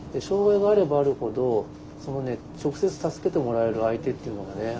障害があればあるほど直接助けてもらえる相手っていうのがね